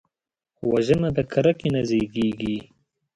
وژنه د کرکې نه زیږېږي